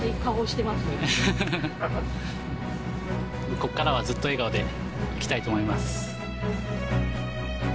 ここからはずっと笑顔でいきたいと思います。